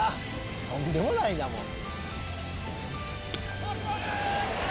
とんでもないなもう！